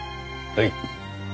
はい。